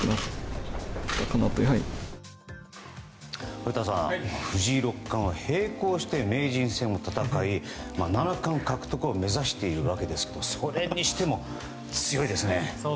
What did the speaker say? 古田さん、藤井六冠は並行して名人戦を戦い、七冠獲得を目指しているわけですけどそれにしても強いですね。